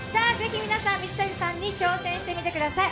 皆さん、水谷さんに挑戦してみてください。